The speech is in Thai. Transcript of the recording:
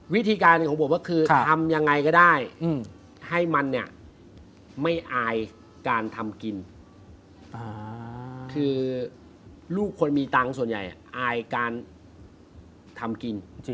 วิธีการของผมก็คือทำยังไงก็ได้ให้มันเนี่ยไม่อายการทำกินคือลูกคนมีตังค์ส่วนใหญ่อายการทำกิน